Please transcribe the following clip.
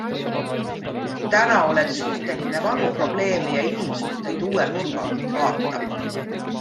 Täna oled suuteline vanu probleeme ja inimsuhteid uue nurga alt vaatama.